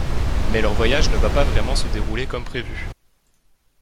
Mais leur voyage ne va pas vraiment se dérouler comme prévu.